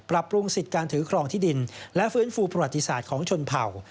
ปรับปรุงสิทธิ์การถือครองที่ดินและฟื้นฟูประวัติศาสตร์ของชนเผ่า